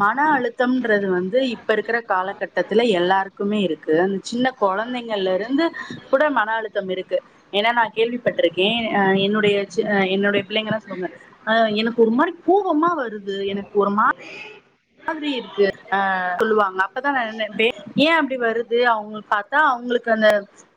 மன அழுத்தம்ன்றது வந்து இப்ப இருக்கிற காலகட்டத்துல எல்லாருக்குமே இருக்கு அந் சின்ன கொழந்தைங்கள்ல இருந்து கூட மன அழுத்தம் இருக்கு ஏன்னா நான் கேள்விப்பட்டிருக்கேன் அ என்னுடைய் ச் என்னுடைய பிள்ளைங்கல்லாம் சொன்ன ஆ எனக்கு ஒரு மாரி கோபமா வருது எனக்கு ஒரு மா மாதிரி இருக்கு ஆ சொல்லுவாங்க அப்பதான் நான் நைப்பேன் ஏன் அப்டி வருது அவங்களபாத் தா அவுங்களுக்கு அந்த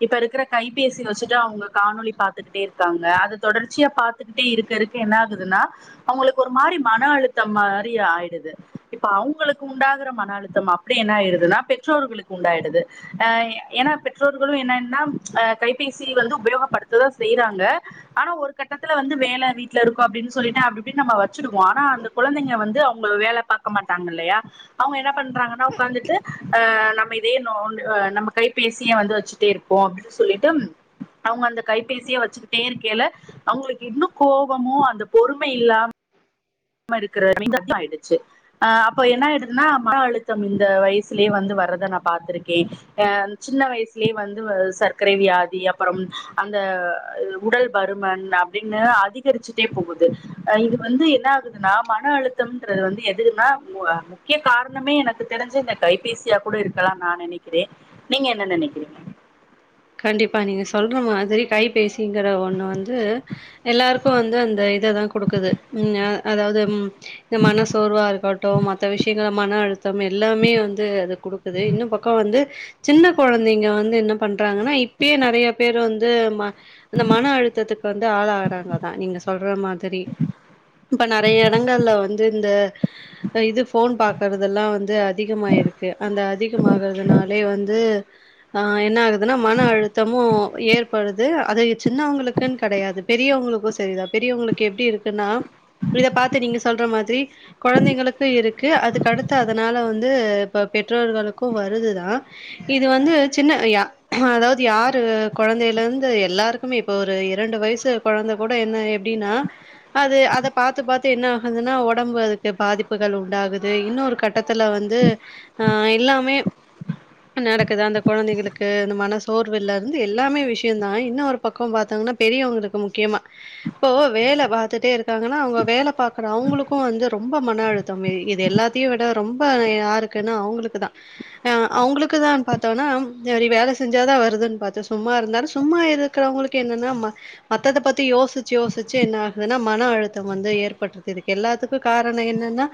இப்ப இருக்கிற கைபேசி வச்சுட்டு அவுங்க காணொலி பாரத்துக்கிட்டே இருக்காங்க அத தொடர்ச்சியா பாத் கத்துக்கிட்டே இருக்க இருக்க என்ன ஆகுதுன்னா அவுங்களுக்கு ஒரு மாரி மன அழுத்த மாரி ஆய்டுது இப்ப அவுங்களுக்கு உண்டாகற மன அழுத்தம் அப்டி என்ன ஆயிடுதுன்னா பெற்றோர்களுக்கு உண்டாயிடுது அ ஏன்னா பெற்றோர்களும் என்னன்னா கைபேசி வந்து உபயோகப்படுத்ததான் செய்றாங்க ஆனா ஒரு கட்டத்துல வந்து வேல வீட்ல இருக்கும் அப்டின் சொல்லிட்டு அப்டி இப்டின்னு நம்ம வச்சிடுவோம் ஆனா அந்த குழந்தைங்க வந்து அவங்கள வேல பாக்க மாட்டாங்க இல்லையா அவுங்க என்ன பண்றாங்கன்னா உட்காந்துட்டு அ நம்ம இதே நோன் அ நம்ம கைபேசியே வந்து வச்சுட்டே இருப்போம் சொல்லிட்டும் அவுங்க அந்த கைபேசியே வச்சுக்கிட்டே இருக்கேயில அவுங்களுக்கு இன்னும் கோபமும் அந்த பொறுமை இல்லாம இருக்கறது [unintelligible] ஆய்டுச்சு ஆ அப்ப என்ன ஆய்டுதுன்னா மன அழுத்தம் இந்த வயசுலேயே வந்து வர்றத நான் பாத்திருக்கேன் அ சின்ன வயசுலேயே வந்துவ சர்க்கரைக் வியாதி அப்பறம் அந்த உடல் பருமன் அ வின்னர் அதிகரிச்சிட்டே போகுது இது வந்து என்ன ஆகுது ந மன அழுத்தம்ன்றது வந்து எதுக்குன்னா உ அ முக்கிய காரணமே எனக்கு தெரிஞ்சி இந்த தொலைப்பேசியா கூட இருக்கலாம் நான் நினைக்கிறேன் நீங்க என்ன நினைக்கிறீங்க கண்டிப்பா நீங்க சொல்ற மாதிரி கைபேசிங்கற ஒண்ணு வந்து எல்லாருக்கும் வந்து அந்த இத தான் குடுக்குது ம் அதாவது ம் இந்த மன சோர்வா இருக்கட்டும் மத்த விஷயங்கள மன அழுத்தம் எல்லாமே வந்து அது குடுக் குது இன்னும் பக்கம் வந்து சின்ன கொழந்தைங்க வந்து என்ன பண் றாங்கன்னா இப்பே நறையா பேர் வந்து அந்த மன அழுத்தத்துக்கு வந்து ஆளாகறாங்க தான் நீங்க சொல்ற மாதிரி இப்ப நறைய இடங்கள்ல வந்து இந்த இது போன் பாக்குறதெல்லாம் வந்து அதிகமாயிருக்கு அந்த அதிகமாகறதுனாலே வந்து ஆ என்ன ஆகு என மன அழுத்தமு ஏற்படுது அது சின்னவங்களுக்குன்னு கெடையாது பெரியவங்களுக்கு சரிதா பெரியவங்களுக்கு எப்டி இருக்குன்னா இத பார்த்து நீங்க சொல்ற மாதிரி கொழந்தைங்கக்கு இருக்கு அதுக் அடுத்து அதனால வந்து இப்ப பெற்றோர்களுக்கு வருதுதா இது வந்து சின்ன யா அதாவது யாரு கொழந்தையில இருந்து எல்லாருக்குமே இப்போ ஒரு இரண்டு வயசு கொழந்த கூட என்ன எப்டின்னா அது அத பாத்து பாத்து என்ன ஆகுதுன்னா உடம்பு அதுக்கு பாதிப்புகள் உண்டாகுது இன்னொரு கட் டத்துல வந்து அ எல்லாமே நடக்குது அந்த கொழந்தைகளுக்கு மன சோர்வுல இருந்து எல்லாமே விஷய தா இன்னு ஒரு பக்கம் பாத்தங்னா பெரியவங்களுக்கு முக்கியமா இப்போ வேல பாத்துட்டே இருக்காங்கன்னா அவுங்க வேல பாகுற அவங்களுக்கு வந்து ரொம்ப மன அழுத்தம் இது எல்லாத்தையு விட ரொம்ப யாருக்குன்னா அவுங்களுக்கு தா அ அவுங்களுக்குதா பாத்தோனா நறைய வேல செஞ்சதா வருதுன்னு பாத்த சும்மா இருந்தாலு சும்மா இருக்கிறவங்களுக்கு என்னன்னா மத்தத்த பத்தி யோசிச்சு யோசிச்சு என்ன ஆகுதுன்னா மன அழுத்தம் வந்து ஏற்பட்டுறதுக்கு எல்லாத்துக்கு காரணோ என்னன்னா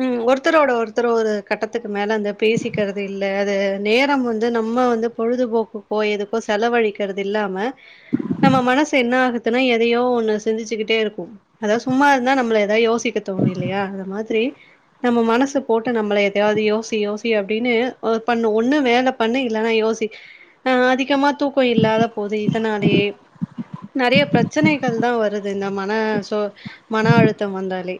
ம் ஒருத்தரோட ஒருத்தர் ஒரு கட்டத்துக்கு மேலே அந்த பேசிக்கிறது இல்ல அது நேரம் வந்து நம்ம வந்து பொழுதுபோக்குக்கோ எதுக்கோ செலவழிக்கிறது இல்லாம நம்ம மனசு என்ன ஆகுதுன்னா எதையோ ஒண்ணு சிந்துசிச்சுக்கிட்டே இருக்கு அதா சும்மா இருந்தா நம்மள ஏதாவது யோசிக்க தோணு இல்லையா அந்த மாதிரி நம்ம மனசு போட்டு நம்மள எதையாவது யோசி யோசி அப்டின்னு பண்ண ஒன்னு வேல பண்ணு இல்லன்னா யோசி அ அதிகமா தூக்கம் இல்லாத போது இதனாலே நெறைய பிரச்சனைகள் தா வருது இந்த மன சோ மன அழுத்தம் வந்தாலே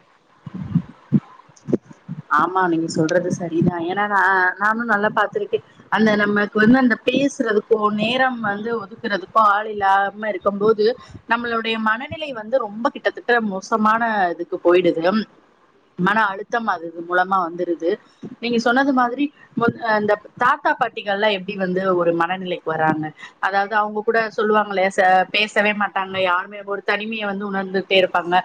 ஆமா நீங்க சொல்றது செரிதா ஏன்னா நா நானு நல்லா பாத்திருக் அந்த நமக்கு வந்து அந்த பேசுறதுக்கோ நேரம் வந்து ஒதுக்குறதுக்கோ ஆள் இல்லாம இருக்கும் போது நம்மளுடைய மனநிலை வந்து ரொம்ப கிட்டத்தட்ட மோசமான இதுக்கு போயிடுது மன அழுத்தம் அது மூலமா வந்துருது நீங்க சொன்னது மாதிரி மு அ இந்த தாத்தா பாட்டிகள் எல்லா எப்டி வந்து ஒரு மனநிலைக்கு வராங்க அதாவது அவுங்க கூட சொல்லுவாங்கல்ல பேசவே மாட்டாங்க யாருமே ஒரு தனிமையை வந்து உணர்ந்துட்டே இருப்பாங்க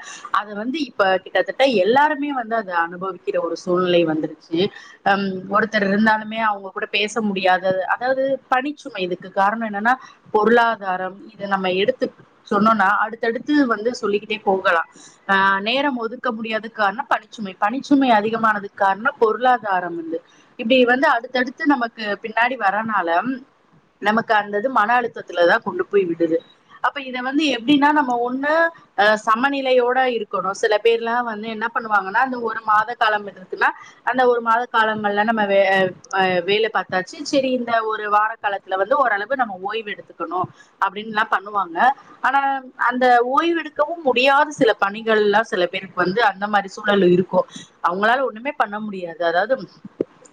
அது வந்து இப்ப கிட்டத்தட்ட எல்லாருமே வந்து அத அனுபவிக்கிற ஒரு சூழ்நிலை வந்துருச்சு ம் ஒருத்தர் இருந்தாலுமே அவுங்க கூட பேச முடியாது அதாவது பணிச்சுமை இதுக்கு காரணம் என்னன்னா பொருளாதாரம் இத நம்ம எடுத்து சொன்னோனா அடுத்தடுத்து வந்து சொல்லிக்கிட்டே போகலா ஆ நேரம் ஒதுக்க முடியாதுக் காரணம் பனிச்சுமை பனி சுமை அதிகமானதுக்கு காரணோ பொருளாதாரம் வந்து இப்டி வந்து அடுத்தடுத்து நமக்கு பின்னாடி வரனால நமக்கு அந்தது மன அழுத்தத்துல தா கொண்டு போய் விடுது அப்ப இத வந்து எப்டின்னா நம்ம ஒண்ணு அ சமநிலையோட இருக்கணு சில பேர்லா வந்து என்ன பண்ணுவாங்கன்னா அந்த ஒரு மாத காலத்துக்குனா அந்த ஒரு மாத காலங்கள்ல நம்ம வே ஆ வேல பாத்தாச்சு செரி இந்த ஒரு வார காலத்துல வந்து ஓரளவு நம்ம ஓய்வு எடுத்துக்கணு அப்டின்னுலா பண்ணுவாங்க ஆனா அந்த ஓய்வெடுக்கவு முடியாத சில பணிகள்லா சில பேருக்கு வந்து அந்த மாரி சூழல் இருக்கு அவங்களால ஒண்ணுமே பண்ண முடியாது அதாது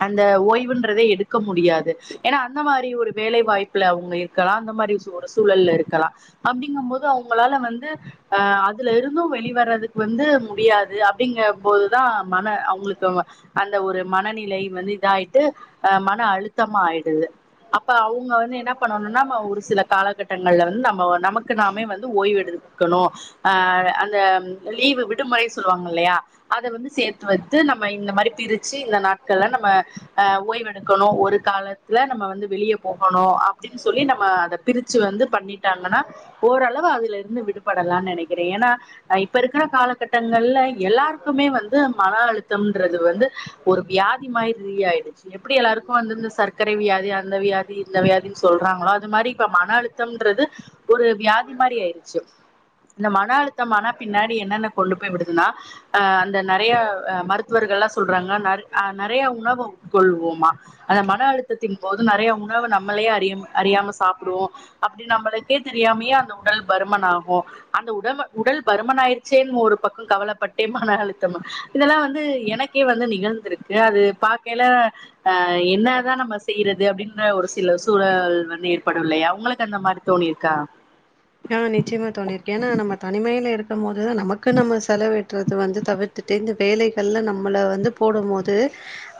அந்த ஓய்வுன்றதே எடுக்க முடியாது ஏன்னா அந்த மாரி ஒரு வேலை வாய்ப்புல அவுங்க இருக்கலா அந்த மாரி ஒரு சூழல்ல இருக்கலா அப்டிங்கபோது அவங்களால வந்து அ அதுல இருந்து வெளி வர்றதுக்கு வந்து முடியாது அப்டிங்க போது தா மன அவுங்களுக்கு வா அந்த ஒரு மனநிலை வந்து இதாயிட்டு அ மன அழுத்தமா ஆயிடுது அப்ப அவுங்க வந்து என்ன பண்ணணுனா ஒரு சில காலகட்டங்கள்ல வந்து நம்ம நமக்கு நாமே வந்து ஓய்வு எடு க்கணு ஆ அந்த லீவு விடுமுறை சொல்லுவாங்க இல்லையா அத வந்து சேத்து வத்து நம்ம இந்த மாரி பிரிச்சு இந்த நாட்கள்ல நம்ம அ ஓய்வெடுக்கணு ஒரு காலத்துல நம்ம வந்து வெளிய போகணு அப்டின்னு சொல்லி நம்ம அத பிரிச்சு வந்து பண்ணிட்டாங்கன்னா ஓரளவு அதுல இருந்து விடுபடலானு நனைக்கிற ஏன்னா அ இப்ப இருக்கற காலகட்டங்கள்ல எல்லாருக் குமே வந்து மன அழுத்தம்ன்றது வந்து ஒரு வியாதி மாரி இதா ஆயிடுச்சு எப்டி எல்லாருக்கு வந்து இந்த சர்க்கரை வியாதி அந்த வியாதி இந்த வியாதின்னு சொல்றாங்களோ அது மாரி இப்ப மன அழுத்தம்ன்றது ஒரு வியாதி மாரி ஆயிருச்சு இந்த மன அழுத்தம் ஆன பின்னாடி என்னன்ன கொண்டு போய் விடுதுனா அ அந்த நறையா அ மருத்துவர்கள்லா சொல்றாங்க நர் அ நறையா உணவு உட்கொள்வோமா அந்த மன அழுத்தத்தின் போது நறையா உணவு நம்மளேயே அறி அறியாம சாப்டுவோ அப்டி நம்மளுக்கே தெரியாமயே அந்த உடல் பருமன் ஆகு அந்த உடவ உடல் பருமனாயிரிச்சேன்னு ஒரு பக்கோ கவலப்பட் [unintelligible] மான அழுத்தமா இதெல்லா வந்து எனக்கே வந்து நிகழ்ந்துருக்கு அது பாக்கையில அ என்னதா நம்ம செய்யறது அப்டின்ற ஒரு சில சூழல் வந்து ஏற்படு இல்லையா உங்களுக்கு அந்த மாரி தோணிருக்கா ஆ நிச்சயமா தோணிருக்கு எனா நம்ம தனிமைல இருக் கும்போது நமக்கு நம்ம செலவிட்றது வந்து தவிர்த்துட்டு இந்த வேலைகள்ல நம்மள வந்து போடும் போது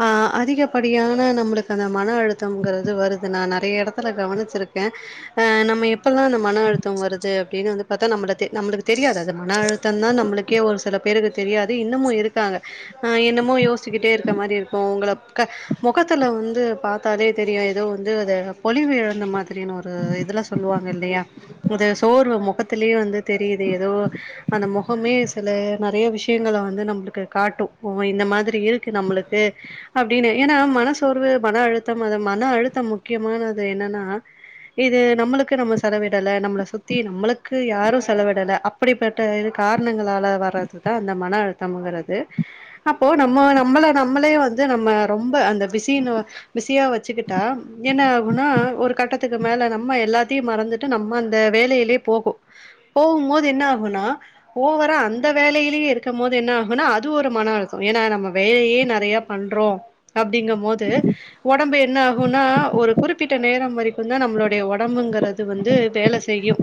ஆ அதிகப்படியான நம்மளுக்கு அந்த மன அழுத்தம்ங்கறது வருது நா நறையா எடத்துல கவனிச்சிருக்க அ நம்ம எப்பல்லா அந்த மன அழுத்தோ வருது அப்டின்னு வந்து பாத்தா நம்மள தெ நம்மளுக்கு தெரியாது அது மன அழுத்தம் தா நம்மளுக்கே ஒரு சில பேருக்கு தெரியாது இன்னமு இருக்காங்க ஆ என்னமோ யோசிக்கிட்டே இருக்க மாரி இருக்கு உங்கள க மொகத்துல வந்து பாத்தாலே தெரியு ஏதோ வந்து அது பொலிவு இழந்த மாதிரினு ஒரு இதுல சொல்லுவாங்க இல்லையா இது சோர்வு முகத்துலயே வந்து தெரிது எதோ அந்த முகமே சில நறைய விஷயங்கள வந்து நம்மளுக்கு காட்டு ஓ இந்த மாதிரி இருக்கு நம்மளுக்கு அப்டின்னு ஏனா மன சோர்வு மன அழுத்தம் அத மன அழுத்தம் முக்கியமானது என்னனா இது நம்மளுக்கு நம்ம செலவிடல நம்மள சுத்தி நம்மளுக்கு யாரு செலவிடல அப்படிப்பட்ட காரணங்களால வர்றது தா அந்த மனஅழுத்தம்ங்கறது அப்போ நம்மோ நம்மள நம்மளே வந்து நம்ம ரொம்ப அந்த பிஸினு பிஸியா வச்சுக்கிட்டா என்னா ஆகுன்னா ஒரு கட்டத்துக்கு மேல நம்ம எல்லாத்தையும் மறந்துட்டு நம்ம அந்த வேலையிலே போகு போகும்போது என்ன ஆகுன்னா ஓவரா அந்த வேலையிலேயே இருக்கும் போது என்ன ஆகுன்னா அது ஒரு மன அழுத்தோ ஏன்னா நம்ம வேலையே நெறைய பண்றோ அப்டிங்கும் போது ஒடம்பு என்ன ஆகுன்னா ஒரு குறிப்பிட்ட நேரம் வரைக்கு தா நம்மளுடைய ஒடம்புங்கிறது வந்து வேல செய் செய்யு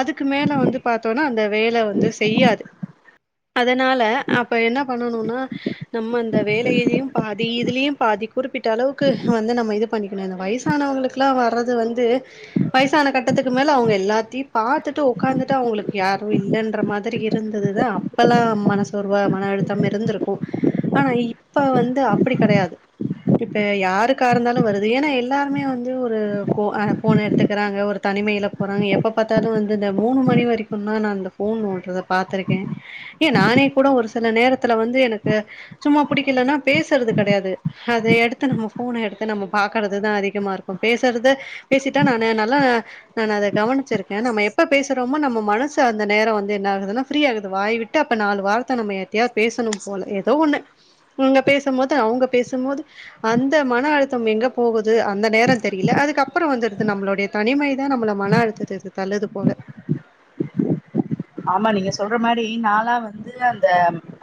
அதுக்கு மேல வந்து பாத்தோனா அந்த வேல வந்து செய்யாது அதனால அப்ப என்ன பண்ணனுனா நம்ம அந்த வேலையிலையு பாதி இதுலுயு பாதி குறிப்பிட்ட அளவுக்கு வந்து நம்ம இது பண்ணிக்கணு இந்த வயசானவுங்களுக்குல்லா வர்றது வந்து வயசான கட்டத்துக்கு மேல அவுங்க எல்லாத்தையு பாத்துட்டு உக்காந்துட்டு அவங்களுக்கு யாரு இல்லன்ற மாதிரி இருந்துதுதா இப்பல்லா மனசோர்வா மன அழுத்தம் இருந்திருக்கு ஆனா இப்ப வந்து அப்டி கெடையாது இப்ப யாருக்கா இருந்தாலு வருது ஏன்னா எல்லாருமே வந்து ஒரு போ ஃபோன எடு த்துக்குறாங்க ஒரு தனிமைல போறாங்க எப்ப பாத்தாலு வந்து இந்த மூணு மணி வரைக்கும்னா நா இந்த போன் நோன்றத பாத்திருக்கே ஏ நானே கூட ஒரு சில நேரத்துல வந்து எனக்கு சும்மா புடிக்கலனா பேசுறது கெடையாது அத எடுத்து நம்ம ஃபோன எடுத்து நம்ம பாக்குறதுதா அதிகமா இருக்கு பேசுறது பேசிட்டா நானு நல்லா நான் அத கவனச்சிருக்கே நம்ம எப்ப பேசுறோமோ நம்ம மனசு அந்த நேர வந்து என்னாகுதுனா ஃப்ரீ ஆகுது வாய்வி ட்டு அப்ப நாலு வார்த்த நம்ம யார்ட்டயா பேசணு போல எதோ ஒன்னு நீங்க பேச மோது அவங்க பேச மோது அந்த மன அழுத்தம் எங்க போகுது அந்த நேர தெரில அதுக்கப்பறோ வந்துருது நம்மளுடைய தனிமை நம்மள மன அழுத்தத்த இது தள்ளுது போல ஆமா நீங்க சொல்ற மாரி நாலா வந்து அந்த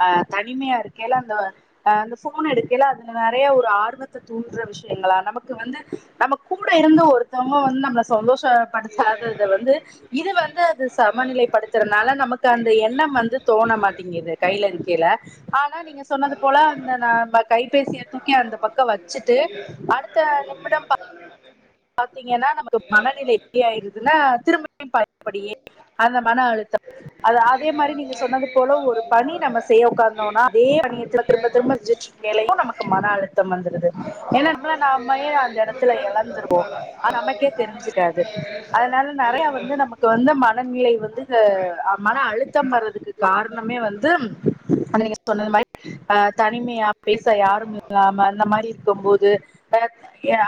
அ தனிமையா இருக்கைல அந்த அந்த ஃபோன எடுக்கல அதுல நெறய ஒரு ஆர்வத்து தூன்ற விஷயங்களா நமக்கு வந்து நம்ம கூட இருந்து ஒருத்தவங்க வந்து நம்மள சந்தோஷ படுத்தாத அது வந்து இது வந்து அது சமநிலைப்படுத்த னால நமக்கு அந்த எண்ண வந்து தோண மாட்டீங்குது கைல இறிக்கில ஆனா நீங்க சொன்னது போல அந்த ந கைபேசிய தூக்கி அந்த பக்க வச்சுட்டு அடுத்த நிமிட பாத்தீங்கன்னா நமக்கு மனநிலை எப்டி ஆயிருதுன்னா திரும்பு பழையபடியே அந்த மன அழுத்த அத அதே மாரி நீங்க சொன்னது போல ஒரு பணி நம்ம செய்ய உக்காந்தோனா அதே பணிய திரும்ப திரும்ப செஞ்சுட் வேலையும் நமக்கு மன அழுத்தம் வந்துடுது ஏன்னா நம்மள நாமே அந்த இடத்துல எழந்துருவோ ஆ நமக்கே தெரிஞ்சுக்காது அதனால நெறய வந்து நமக்கு வந்து மனநிலை வந்து மன அழுத்தம் வர்றதுக்கு காரணமே வந்து நீங்க சொன்னது மாரி அ தனிமையா பேச யாரும் இல்லாம அந்த மாரி இருக்கு போது பேக்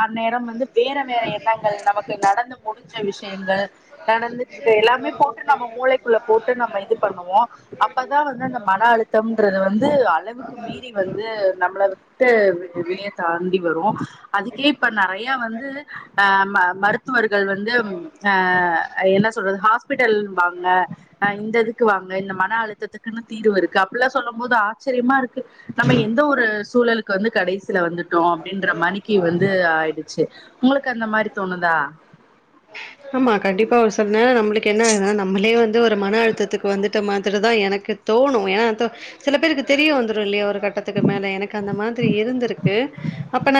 அந்நேரம் வந்து வேற வேற எண்ணங்கள் நமக்கு நடந்து முடிஞ்ச விஷயங்கள் நடந்துட்டு இருக்க எல்லாமே போட்டு நம்ம மூளைக்குள்ள போட்டு நம்ம இது பண்ணுவோ அப்பதா வந்து அந்த மன அழுத்தம்ன்றது வந்து அளவுக்கு மீறி வந்து நம்மள விட்டு வெளிய தாண்டி வரு அதுக்கே இப்ப நெறய வந்து அ ம மருத் துவர்கள் வந்து அ என்ன சொல்றது ஹாஸ்பிட்டல்ன்பாங்க அ இந்த இதுக்கு வாங்க இந்த மன அழுத்தத்துக்குன்னு தீர்வு இருக்கு அப்புட்லா சொல்லு போதா ஆச்சரியமா இருக்கு நம்ம எந்த ஒரு சூழலுக்கு வந்து கடைசில வந்து அப்படின்ற மாணிக்கு வந்து ஆய்டுச்சு ஆமா கண்டிப்பா ஒரு சொல்னே நம்மளுக்கு என்ன ஆய்ருனா நம்மளே வந்து ஒரு மன அழுத்தத்துக்கு வந்துட்ட மாதிரிதா எனக்கு தோணு ஏன்னா அது சில பேருக்கு தெரிய வந்துருல்லயா ஒரு கட்டத்துக்கு மேல எனக்கு அந்த மாதிரி இருந்திருக்கு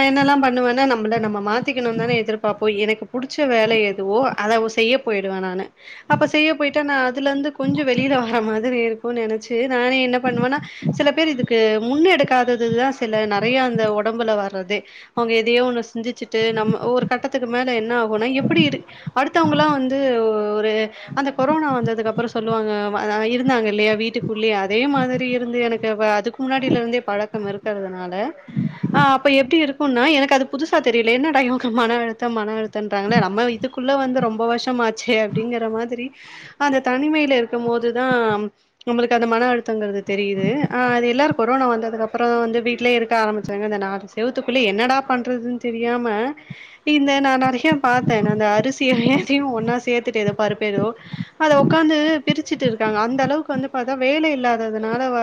நா என்னல்லா பண்ணுவன்னா நம்மள நம்ம மாத்திக்கணுன் தான எதிர்பாப்போ எனக்கு புடிச்ச வேல எதுவோ அத அவ செய்ய போய்டுவே நானு அப்ப செய்ய போய்ட்டா நா அதுல இருந்து கொஞ்சோ வெளில வர்ற மாதிரி இருக்கு நெனைச்சே ட்டு நானே என்ன பண்ணுவேனா சில பேர் இதுக்கு க்கு முன்னெடுக்காதது தா சில நெறய அந்த ஒடம்புல வர அவங்க எதையோ ஒன்ன சிந்திச்சுட்டு நம்ம ஒரு கட்டத்துக்கு மேல என்ன ஆகுனா எப்டி இரு அடுத்தவங்கல்லா வந்து ஒரு அந்த கொரோனா வந்ததுக்கு அப்பற சொல்லுவாங்க இருந்தாங்க இல்லயா வீட்டுக்குள்ளயே அதே மாதிரி இருந்து எனக்கு அது முன்னாடியில இருந்தே பழக்கம் இருக்குறதுனால ஆ அப்ப எப்டி இருக்குனா எனக்கு அது புதுசா தெரியல என்னட இவங்க மன அழுத்தம் மன அழுத்தன்றாங்களே நம்ம அதுக்குள்ள வந்து ரொம்ப வருஷமாச்சே அப்பிடிங்கிற மாதிரி அந்த தனிமையில இருக்கும் போதுதா நம்மளுக்கு அந்த மன அழுத்தங்கிறது தெரியுது ஆ அது எல்லாரு கொரோனா வந்ததுக்கு அதுக்கப்புற வந்து வீட்லயே இருக்க ஆரமிச்சாங்க அந்த நாலு செவுத்துக்குள்ளயே என்னடா பண்றதுன் தெரியாம இந்த நா நெறைய பாத்த அந்த அரிசிய எதையு ஒன்னா சேத்துட்டு ஏதோ பருப்பு ஏதோ அத ஒக்காந்து பிரிச்சுட்டு இருக்காங்க அந்த அளவுக்கு வந்து பாத்தா வேலை இல்லாததுனால வ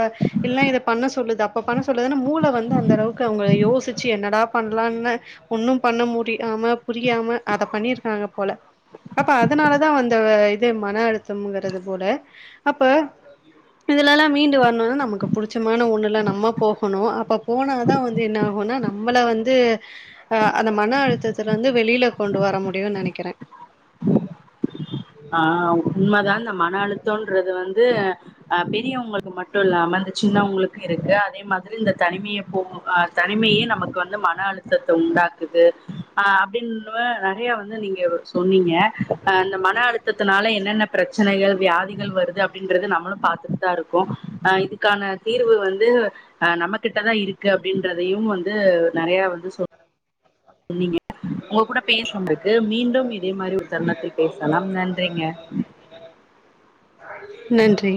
இல்லனா இத பண்ண சொல்லுது அப்ப பண்ண சொல்லுதுனா மூள வந்து அந்த அளவுக்கு அவங்க யோசிக் ச்சு என்னடா பண்ணலானு ஒன்னு பண்ண முடியாம புரியாம அத பண்ணிருக்காங்க போல அப்ப அதனாலதா வந்த இதே மன அழுத்தம்ங்கிறது போல அப்ப இதுலெல்லா மீண்டு வரணுனா நமக்கு புடிச்சமான ஒண்ணுல நம்ம போகணு அப்ப போனா தா வந்து என்ன போனா நம்மள வந்து அ அந்த மன அழுத்தத்துலந்து வெளில கொண்டு வர முடியு நெனைக்கிறே ஆ உண்மதா அந்த மன அழுத்தம்ன்றது வந்து அ பெரியவங்களுக்கு மட்டு இல்லாம அந்த சின்னவுங்களுக்கு இருக்கு அ அதே மாதிரி இந்த தனிமையை போகு அ தனிமையே நமக்கு வந்து மன அழுத்தத்த உண்டாக்குது அ அப்டின்னு நெறைய வந்து நீங்க சொன்னீங்க அ அந்த மன அழுத் னால என்னென்ன பிரச்சனைகள் வியாதிகள் வருது அப்டின்றது நம்மளு பாத்துட்டு தா இருக்கோ இதுக்கான தீர்வு வந்து அ நம்மகிட்ட தா இருக்கு அப்டின்றதையும் வந்து நெறைய வந்து சொல் சொன்னீங்க உங்க கூட பேசுனதுக்கு மீண்டும் இதே மாதிரி ஒரு தருணத்தில் பேசலாம் நன்றிங்க நன்றி